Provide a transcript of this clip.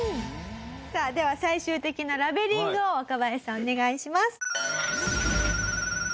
さあでは最終的なラベリングを若林さんお願いします。